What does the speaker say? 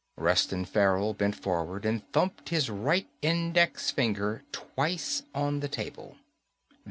Reston Farrell bent forward and thumped his right index finger twice on the table.